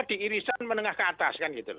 di irisan menengah ke atas